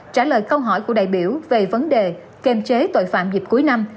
trả lời câu hỏi của đại biểu về vấn đề kềm chế tội phạm dịp cuối năm